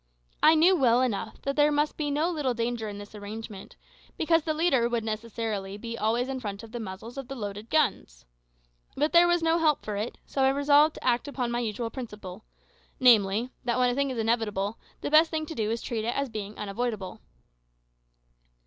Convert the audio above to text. I knew well enough that there must be no little danger in this arrangement, because the leader would necessarily be always in front of the muzzles of the loaded guns. But there was no help for it, so I resolved to act upon my usual principle namely, that when a thing is inevitable, the best thing to do is to treat it as being unavoidable.